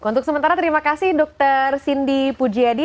untuk sementara terima kasih dokter cindy pujiedi